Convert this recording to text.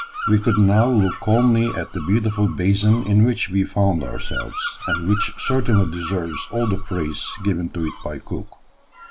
We could now look calmly at the beautiful basin in which we found ourselves; and which certainly deserves all the praise given to it by Cook.